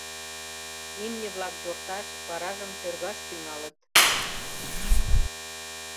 Имне-влак йорташ, варажым тӧргаш тӱҥалыт.